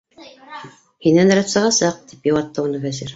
- Һинән рәт сығасаҡ, - тип йыуатты уны Вәзир.